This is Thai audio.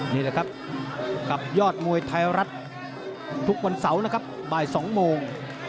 นี่แหละครับกับยอดมวยไทยรัฐทุกวันเสาร์นะครับบ่าย๒โมง